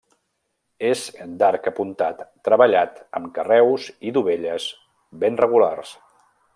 És d'arc apuntat treballat amb carreus i dovelles ben regulars.